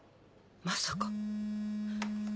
まさか。